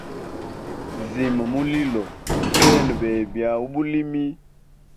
Zima mulilo twene bebya ubulimi.